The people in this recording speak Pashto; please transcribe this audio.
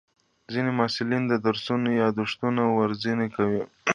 ځینې محصلین د درسونو یادښتونه ورځني کوي.